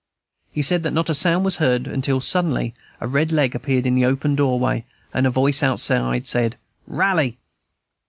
He said that not a sound was heard until suddenly a red leg appeared in the open doorway, and a voice outside said, "Rally."